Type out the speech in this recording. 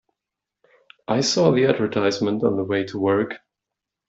I saw the advertisement on the way to work.